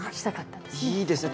いいですね！